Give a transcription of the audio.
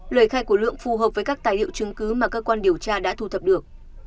lời khai của lượng phù hợp với các tài liệu chứng cứ mà cơ quan điều tra đã thu thập được